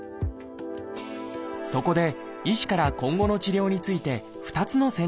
そこで医師から今後の治療について２つの選択肢が示されました。